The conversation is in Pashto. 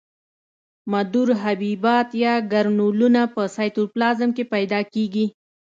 مدور حبیبات یا ګرنولونه په سایتوپلازم کې پیدا کیږي.